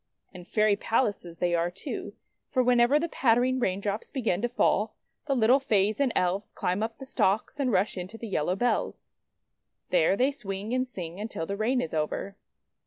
And Fairy Palaces they are too, for whenever the pattering raindrops begin to fall, the little Fays and Elves climb up the stalks, and rush into the yellow bells. There they swing and sing until the rain is over.